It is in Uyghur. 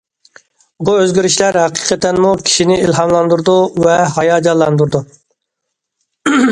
بۇ ئۆزگىرىشلەر ھەقىقەتەنمۇ كىشىنى ئىلھاملاندۇرىدۇ ۋە ھاياجانلاندۇرىدۇ.